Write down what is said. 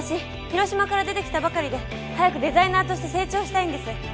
広島から出て来たばかりで早くデザイナーとして成長したいんです。